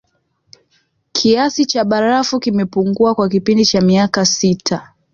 Kiasi cha barafu kimepungua kwa kipindi cha miaka sita